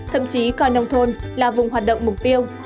thậm chí coi nông thôn là vùng hoạt động mục tiêu